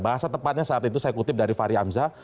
bahasa tepatnya saat itu saya kutip dari fahri hamzah